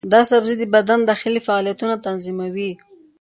دا سبزی د بدن داخلي فعالیتونه تنظیموي.